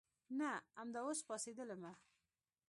نه امدا اوس پاڅېدلمه.